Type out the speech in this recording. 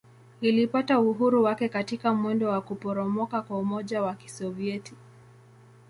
Ilipata uhuru wake katika mwendo wa kuporomoka kwa Umoja wa Kisovyeti.